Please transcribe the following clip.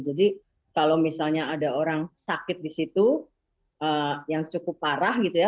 jadi kalau misalnya ada orang sakit di situ yang cukup parah gitu ya